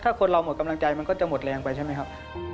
ถ้าคนเราหมดกำลังใจมันก็จะหมดแรงไปใช่ไหมครับ